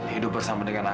hidup bersama dengan aku